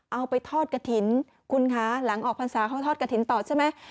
เอาไปทอดกระถิ่นคุณคะหลังออกพรรษาเขาทอดกระถิ่นต่อใช่ไหม